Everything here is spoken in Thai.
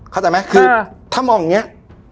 เข้าใจมั้ยคือถ้ามองอย่างเนี้ย